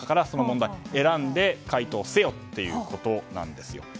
その問題を選んで解答せよということなんですよ。